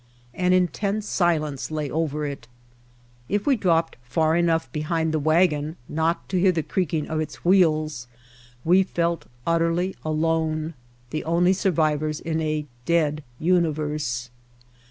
An intense silence lay over it. If we dropped far enough behind the wagon not to hear the creaking of its wheels, we felt utterly alone, the only survivors in a dead universe.